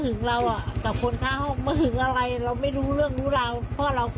เพราะคนนี้อืมแต่เมียฝรั่งก็บอกว่าไม่เป็นไรหรอก